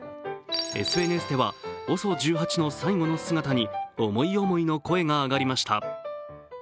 ＳＮＳではＯＳＯ１８の最後の姿に思い思いの声が上がりました。